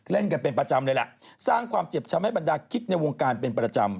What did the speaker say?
เล่นกันเป็นประจำเลยล่ะสร้างความเจ็บช้ำให้บรรดาคิดในวงการเป็นประจำ